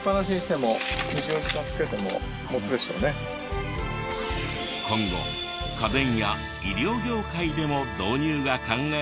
今後家電や医療業界でも導入が考えられる技術なんだとか。